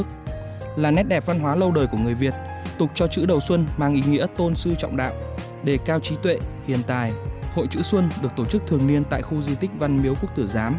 cao trí tuệ hiền tài hội chữ xuân được tổ chức thường niên tại khu di tích văn miếu quốc tử giám